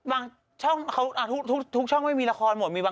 อาจจะยังไม่มีบทที่หว่ะ